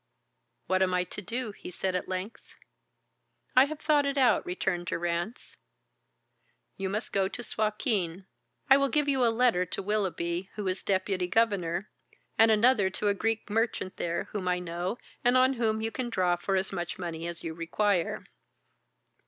"What am I to do?" he said at length. "I have thought it out," returned Durrance. "You must go to Suakin. I will give you a letter to Willoughby, who is Deputy Governor, and another to a Greek merchant there whom I know, and on whom you can draw for as much money as you require."